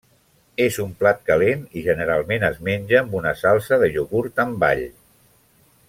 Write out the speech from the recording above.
És un plat calent i generalment es menja amb una salsa de iogurt amb all.